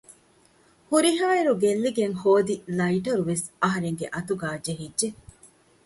ހުރިހާއިރު ގެއްލިގެން ހޯދި ލައިޓަރުވެސް އަހަރެންގެ އަތުގައި ޖެހިއްޖެ